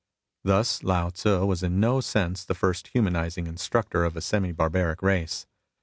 Thus Lao Tzu was in no sense the first humanising instructor of a semi barbaric race.